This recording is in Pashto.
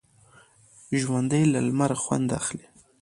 ژوندي له لمر خوند اخلي